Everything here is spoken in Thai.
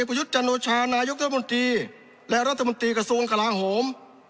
ผลหยุดจันทราชนะอยกฎธรรมดีและรัฐมนตีกระทรวงกลางโหม